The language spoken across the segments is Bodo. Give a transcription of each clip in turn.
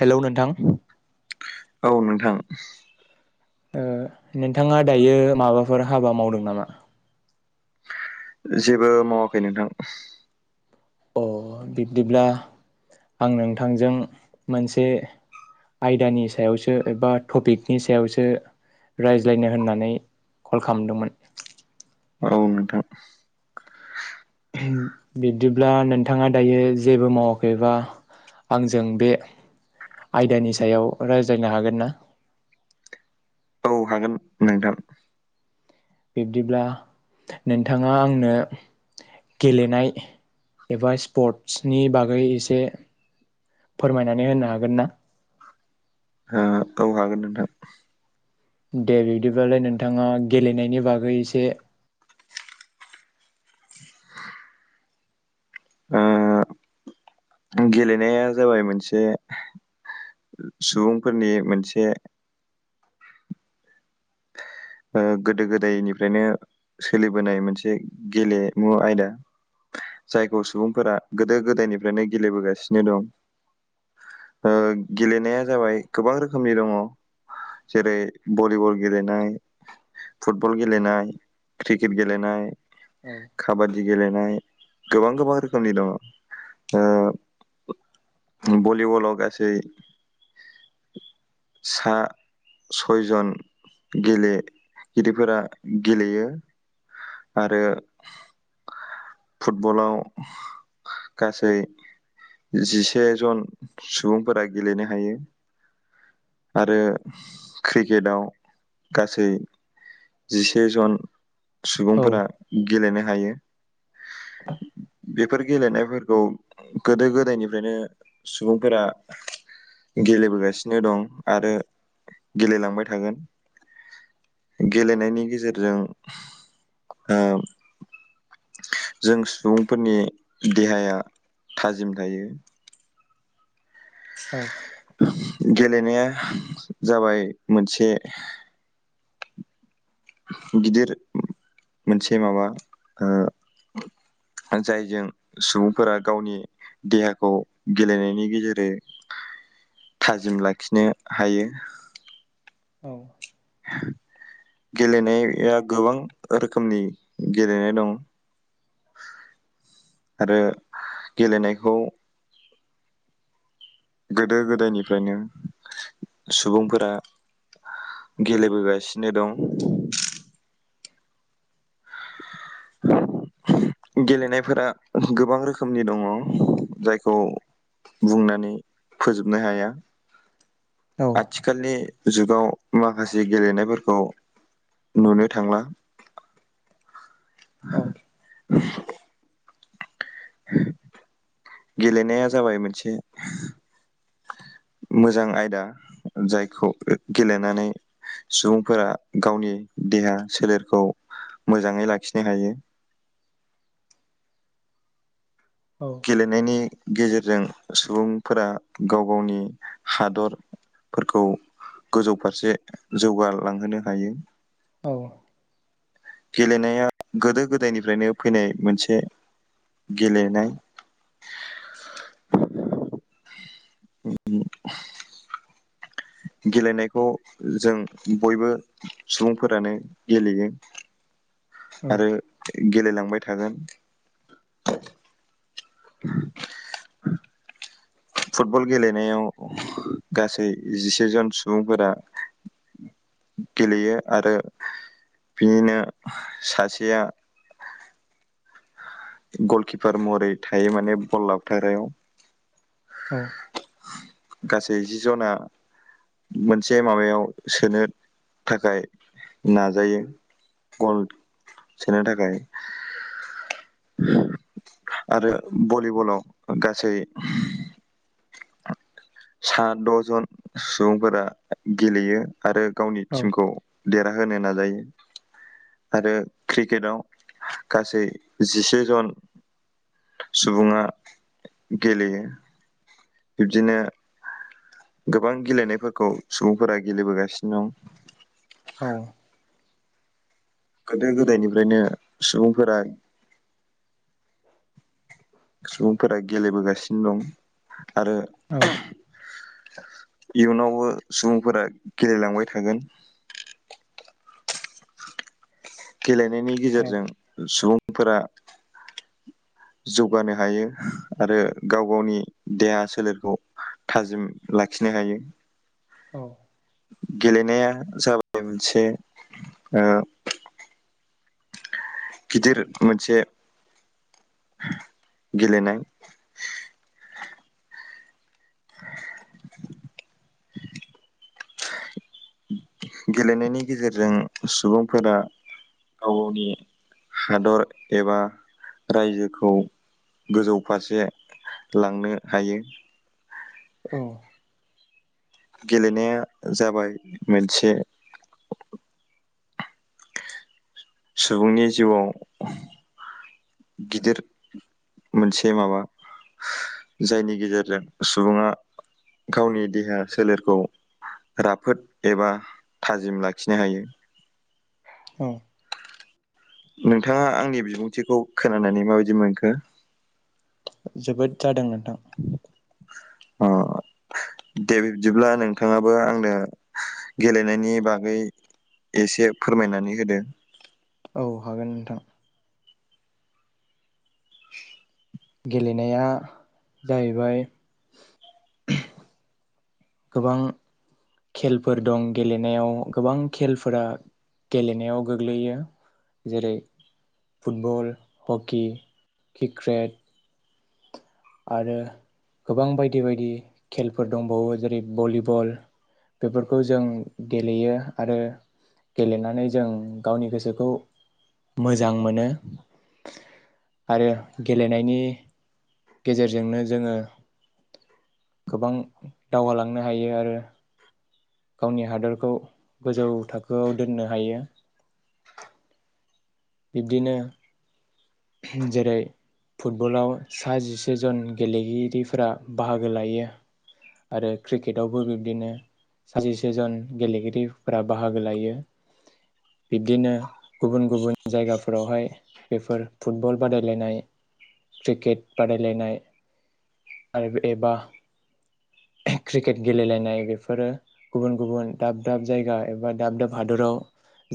हेलौ नोंथां औ नोंथां ओ नोंथांङा दायो माबाफोर हाबा मावदों नामा जेबो मावाखै नोंथां अ बिब्दिब्ला आं नोंथांजों मोनसे आयदानि सायावसो एबा टपिकनि सायावसो रायज्लायनो होननानै कल खालामदोंमोन। औ नोंथां बिब्दिब्ला नोंथांङा दायो जेबो मावाखैबा आंजों बे आयदानि सायाव रायज्लायनो हागोन ना औ हागोन नोंथां बिब्दिब्ला नोंथाङा आंनो गेलेनाय एबा स्पर्टसनि बागै एसे फोरमायनानै होनो हागोन ना ओ औ हागोन नोंथां। दे बिब्दिब्लालाय नोंथाङा गेलेनायनि बागै एसे [unintelligible] ओ गेलेनाया जाबाय मोनसे सुबुंफोरनि मोनसे ओ गोदो गोदायनिफ्रायनो सोलिबोनाय मोनसे गेलेमु आयदा जायखौ सुबुंफोरा गोदो गोदायनिफ्रायनो गेलेबोगासिनो दं ओ गेलेनाया जाबाय गोबां रोखोमनि दङ जेरै भलिबल गेलेनाय। फुटबल गेलेनाय क्रिकेट गेलेनाय। औ। दि गेलेनाय गोबां गोबां रोखोमनि दङ ओ भलिबलाव गासै सा सयजन गेले गिदिरफोरा गेलेयो आरो फुटबलाव गासै जिसे जन सुबुंफोरा गेलेनो हायो। आरो क्रिकेटाव गासै जिसे जन औ सुबुंफोरा गेलेनो हायो बेफोर गेलेनायफोरखौ गोदो- गोदायनिफ्रायनो सुबुंफोरा गेलेबोगासिनो दं आरो गेलेलांबाय थागोन। गेलेनायनि गेजेरजों ओ जों सुबुंफोरनि देहाया थाजिम थायो। औ गेलेनाया जाबाय मोनसे गिदिर मोनसे माबा ओ जायजों सुबुंफोरा गावनि देहाखौ गेलेनायनि गेजेरजों थाजिम लाखिनो हायो। औ। गेलेनाया गोबां रोखोमनि गेलेनाय दं आरो गेलेनायखौ गोदो- गोदायनिफ्रायनो सुबुंफोरा औ गेलेबोगासिनो दं। [unintelligible] [unintelligible] गेलेनायफोरा गोबां रोखोमनि दङ जायखौ बुंनानै फोजोबनो हाया। औ आथिखालनि जुगाव माखासे गेलेनायफोरखौ नुनो थांला। औ। गेलेनाया जाबाय मोनसे मोजां आयदा जायखौ गेलेनानै सुबुंफोरा गावनि देहा सोलेरखौ मोजाङै लाखिनो हायो। गेलेनायनि गेजेरजों सुबुंफोरा गाव- गावनि हादरफोरखौ गोजौ फारसे जौगालांहोनो हायो। औ औ। गेलेनाया गोदो -गोदायनिफ्रायनो फैनाय मोनसे गेलेनाय। उम उम। [unintelligible] गेलेनायखौ जों बयबो सुबुंफोरानो गेलेयो। आरो गेलेलांबाय थागोन। फुटबल गेलेनायाव गासै जिसेजन सुबुंफोरा गेलेयो आरो बिनिनो सासेया गलकिपार महरै थायो माने बल लाबथाग्रायाव। औ। गासै जि जना मोनसे माबायाव सोनो थाखाय नाजायो गल सोनो थाखाय। आरो भलिबलाव गासै सा दजन सुबुंफोरा गेलेयो। आरो गावनि टिमखौ देरहा होनो नाजायो आरो क्रिकेटाव गासै जिसे जन सुबुङा गेलेयो। बिबदिनो गोबां गेलेनायफोरखौ सुबुंफोरा गेलेबोगासिनो दं। औ गोदो -गोदायनिफ्रायनो सुबुंफोरा सुबुंफोरा गेलेबोगासिनो दं। आरो औ इयुनावबो सुबुंफोरा गेलेलांबाय थागोन। [unintelligible] [unintelligible] गेजेर जों सुबुं सुबुंफोरा जौगानो हायो आरो गाव गावनि देहा सोलेरखौ थाजिम लाखिनो हायो। औ गेलेनाया जाबाय मोनसे ओ‌ गिदिर मोनसे गेलेनाय गेलेनायनि गेजेरजों सुबुंफोरा गाव गावनि हादर एबा रायजोखौ गोजौ फारसे लांनो हायो। औ गेलेनाया जाबाय मोनसे सुबुंनि जिउआव गिदिर मोनसे माबा जायनि गेजेरजों सुबुङा गावनि देहा सोलेरखौ राफोद एबा थाजिम लाखिनो हायो। औ नोंथाङा आंनि बिबुंथिखौ खोनानानै माबायदि मोनखो? जोबोद जादों नोंथां। अ दे बिब्दिब्ला नोंथाङाबो आंनो गेलेनायनि बागै एसे फोरमायनानै होदो। औ हागोन नोंथां। गेलेनाया जाहैबाय गोबां खेलफोर दं गेलेनायाव गोबां खेलफोरा गेलेनायाव गोग्लैयो जेरै फुटबल हकि क्रिकेट आरो गोबां बायदि बायदि खेलफोर दंबावो जेरै भलिबल बेफोरखौ जों गेलेयो आरो गेलेनानै जों गावनि गोसोखौ मोजां मोनो आरो गेलेनायनि गेजेरजोंनो जोङो गोबां दावगालांनो हायो आरो। गावनि हादरखौ गोजौ थाखोआव दोननो हायो। बिदिनो जेरै फुटबलाव सा जिसे जन गेलेगिरिफोरा बाहागो लायो आरो क्रिकेटआवबो बिब्दिनो सा जिसे जन गेलेगिरिफोरा बाहागो लायो बिब्दिनो गुबुन गुबुन जायगाफोरावहाय बेफोर फुटबल बादायलायनाय क्रिकेट बादायलायनाय आरो एबा क्रिकेट गेलेलायनाय बेफोरो गुबुन गुबुन दाब दाब जायगा एबा दाब दाब हादराव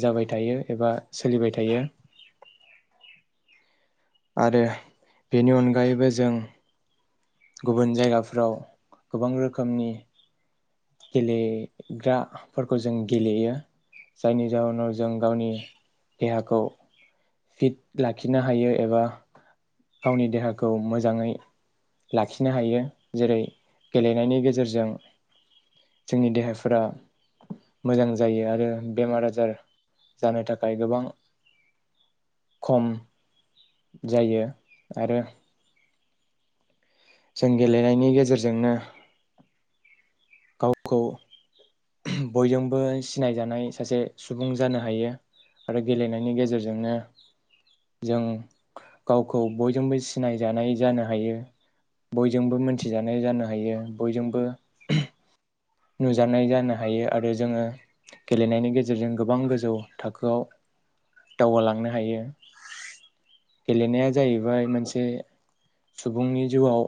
जाबाय थायो एबा सोलिबाय थायो। आरो बेनि अनगायैबो जों गुबुन जायगाफ्राव गोबां रोखोमनि गेलेग्राफोरखौ जों गेलेयो जायनि जााहोनाव जों गावनि देहाखौ फिट लाखिनो हायो एबा गावनि देहाखौ मोजाङै लाखिनो हायो जेरै गेलेनायनि गेजेरजों जोंनि देहाफोरा मोजां जायो आरो बेमार आजार जानो थाखाय गोबां खम जायो। आरो जों गेलेनायनि गेजेरजोंनो गावखौ बयजोंबो सिनायजानाय सासे सुबुं जानो हायो आरो गेलेनायनि गेजेरजोंनो जों गावखौ बयजोंबो सिनायजानाय जानो हायो बयजोंबो मोनथिजानाय जानो हायो बयजोंबो नुजानाय जानो। हायो आरो जोङो गेलेनायनि गेजेरजों गोबां गोजौ थाखोआव दावगालांनो हायो गेलेनाया जाहैबाय मोनसे सुबुंनि जिउआव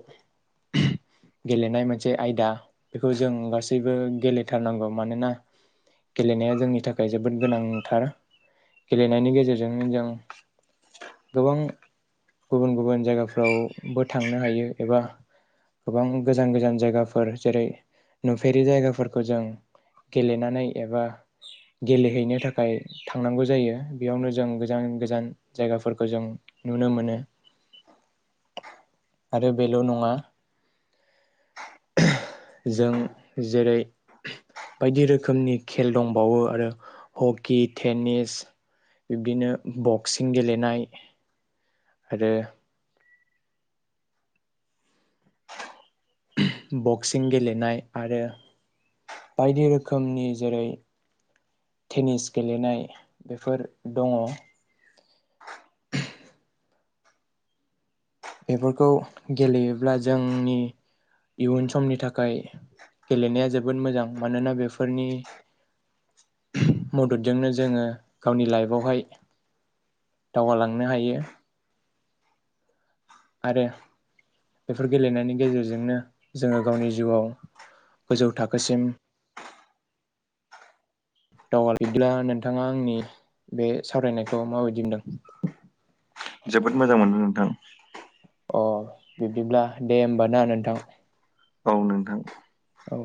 गेलेनाय मोनसे आयदा बेखौ जों गासैबो गेले नांगौ मानोना गेलेनाया जोंनि थाखाय जोबोद गोनांथार गेलेनायनि गेजेरजोंनो जों गोबां गुबुन गुबुन जायगाफ्रावबो थांनो हायो एबा गोबां गोजान गोजान जायगाफोर जेरै नुफेरि जायगाफोर खौ जों गेलेनानै एबा गेलेहैनो थाखाय थांनांगौ जायो बेयावनो जों गोजान गोजान जायगाफोरखौ जों नुनो मोनो। आरो बेल' नङा जों जेरै बायदि रोखोमनि खेल दंबावो आरो हकि टेनिस बिब्दिनो बक्सिं गेलेनाय आरो बक्सिं गेलेनाय आरो बायदि रोखोमनि जेरै टेनिस गेलेनाय बेफोर दङ। [unintelligible] बेफोरखौ गेलेयोब्ला जोंनि इयुन समनि थाखाय थाखाय गेलेनाया जोबोद मोजां मानोना बेफोरनि मददजोंनो जोङो गावनि लाइफआवहाय दावगालांनो हायो। आरो बेफोर गेलेनायनि गेजेरजोंनो जोङो गावनि जिउआव गोजौ थाखोसिम दावगफब्ला नोंथाङा आंनि बे सावरायनायखौ माबायदि होनदों। जोबोद मोजां मोनदों नोंथां। अ बिब्दिब्ला दे होमब ना नोंथां। औ नोंथां औ